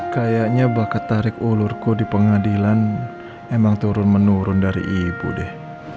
kayaknya bakat tarik ulurku di pengadilan emang turun menurun dari ibu deh